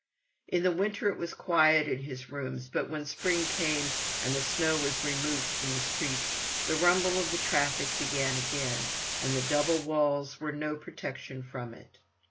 In the winter it was quiet in his rooms, but when spring came, and the snow was removed from the streets, the rumble of the traffic began again, and the double walls were no protection from it.